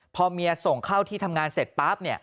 พอเมียส่งเข้าที่ทำงานเสร็จปั๊บ